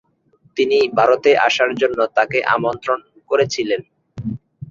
তিনি ভারতে আসার জন্য তাকে আমন্ত্রণ করেছিলেন।